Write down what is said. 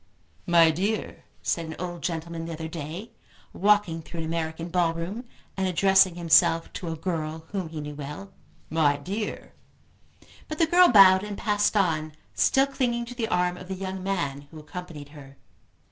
"My dear," said an old gentleman the other day walking through an American ball room, and addressing himself to a girl whom he knew well, "My dear " But the girl bowed and passed on, still clinging to the arm of the young man who accompanied her.